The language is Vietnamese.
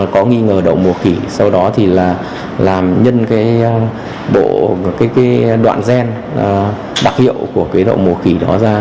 có nghi ngờ đậu mùa khỉ sau đó thì là làm nhân cái đoạn gen đặc hiệu của cái đậu mùa khỉ đó ra